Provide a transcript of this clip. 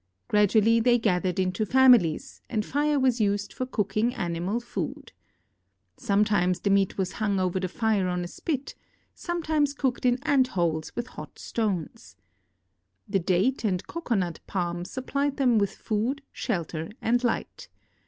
Gradually they gathered into families, and fire was used for cooking animal food. Sometimes the meat was hung over the fire on a spit; sometimes cooked in ant holes with hot stones. The date and cocoanut palm supplied them with food, shelter, and light.